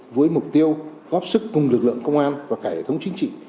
với mục tiêu góp sức cùng lực lượng công an và cả hệ thống chính trị